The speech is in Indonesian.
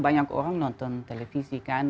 banyak orang nonton televisi kan